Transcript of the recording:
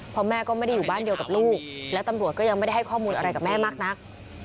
เพราะแม่ก็ไม่ได้อยู่บ้านเดียวกับลูกและตำรวจก็ยังไม่ได้ให้ข้อมูลอะไรกับแม่มากนัก